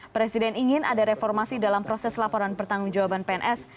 presiden ingin ada reformasi dalam proses laporan pertanggung jawaban pns